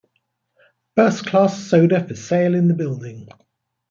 First-Class Soda for sale in the Building.